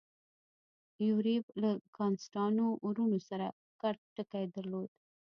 یوریب له کاسټانو وروڼو سره ګډ ټکی درلود.